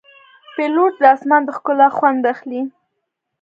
پیلوټ د آسمان د ښکلا خوند اخلي.